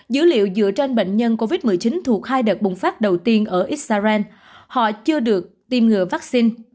dữ liệu dựa trên bệnh nhân covid một mươi chín thuộc hai đợt bùng phát đầu tiên ở israel họ chưa được tiêm ngừa vaccine